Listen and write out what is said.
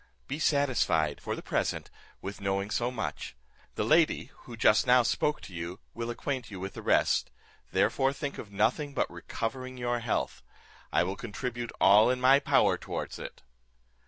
Be satisfied, for the present, with knowing so much; the lady, who just now spoke to you, will acquaint you with the rest, therefore think of nothing but recovering your health; I will contribute all in my power towards it."